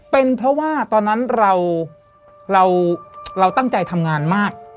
เป็นเพราะว่าตอนนั้นเราตั้งใจทำงานมาก